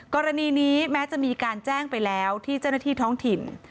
กรณีนี้แม้จะมีการแจ้งไปแล้วที่เจ้าหน้าที่ท้องถิ่น